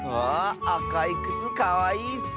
ああかいくつかわいいッス！